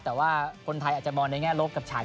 แต่ว่าคนไทยอาจจะมองในแง่ลบกับฉาย